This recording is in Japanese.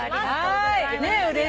うれしいね。